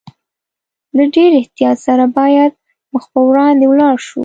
له ډېر احتیاط سره باید مخ پر وړاندې ولاړ شو.